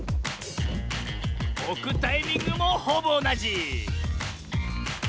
おくタイミングもほぼおなじ！